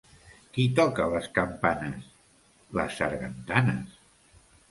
Qui toca les campanes? / —Les sargantanes.